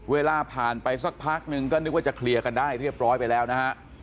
เวลาผ่านไปสักพักนึงก็นึกว่าจะเคลียร์กันได้เรียบร้อยไปแล้วนะฮะ